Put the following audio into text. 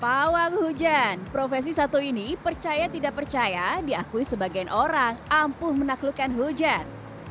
awal hujan profesi satu ini percaya tidak percaya diakui sebagian orang ampuh menaklukkan hujan